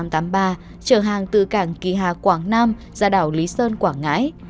chở hàng từ cảng kỳ hà quảng nam ra đảo lý sơn quảng ngãi